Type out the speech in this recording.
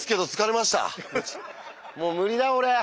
もう無理だ俺。